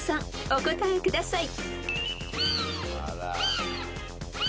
お答えください］